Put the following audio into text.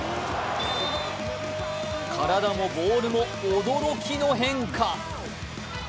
体もボールも驚きの変化。